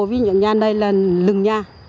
với những nhà này là lừng nhà